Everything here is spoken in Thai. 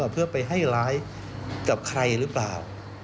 เพื่อไปให้ร้ายกับใครหรือเปล่า